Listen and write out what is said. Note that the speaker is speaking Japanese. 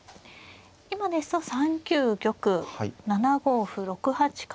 今ですと３九玉７五歩６八角。